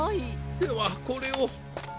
ではこれを。